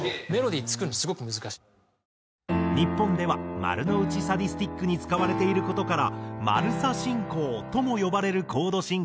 日本では『丸の内サディスティック』に使われている事から「丸サ進行」とも呼ばれるコード進行なのだが。